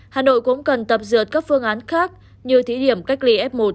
hà nội cũng cần tập dượt các phương án khác như thí điểm cách ly f một